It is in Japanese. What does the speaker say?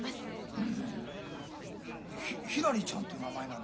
うんひらりちゃんっていう名前なの？